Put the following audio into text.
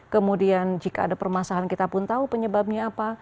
kemudian jika ada permasalahan kita pun tahu penyebabnya apa